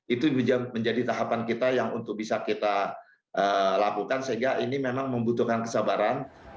itu menjadi tahapan kita yang untuk bisa kita lakukan sehingga ini memang membutuhkan kesabaran